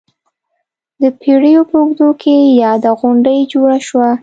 د پېړیو په اوږدو کې یاده غونډۍ جوړه شوه.